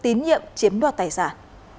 tín nhiệm chiếm đoạt tài sản